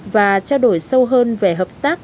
và trao đổi sâu hơn về hợp tác